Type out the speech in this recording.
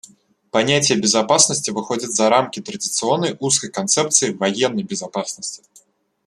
Понятие безопасности выходит за рамки традиционной узкой концепции военной безопасности.